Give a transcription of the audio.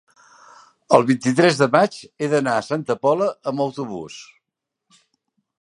El vint-i-tres de maig he d'anar a Santa Pola amb autobús.